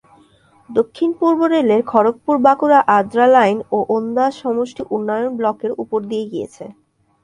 দক্ষিণ পূর্ব রেলের খড়গপুর-বাঁকুড়া-আদ্রা লাইন ওন্দা সমষ্টি উন্নয়ন ব্লকের উপর দিয়ে গিয়েছে।